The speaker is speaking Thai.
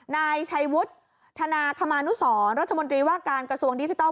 นายชัยวุฒิธนาคมานุสรรัฐมนตรีว่าการกระทรวงดิจิทัล